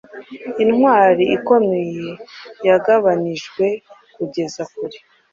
Intwari ikomeye yagabanijwe kugeza kure